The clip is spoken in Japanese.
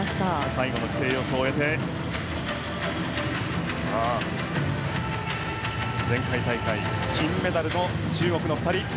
最後の規定要素を終えて前回大会金メダルの中国の２人。